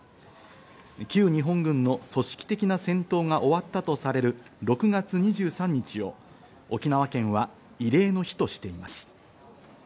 旧日本軍の組織的な戦闘が終わったとされる６月２３日を沖縄県は慰霊の日としています。